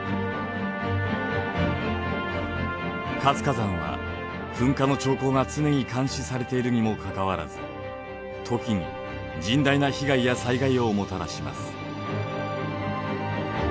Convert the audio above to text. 活火山は噴火の兆候が常に監視されているにもかかわらず時に甚大な被害や災害をもたらします。